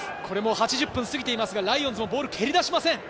８０分過ぎていますが、ライオンズもボールを蹴り出しません。